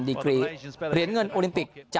ดิกรีเป็นเหรียญเงินโอลิมปิกจาก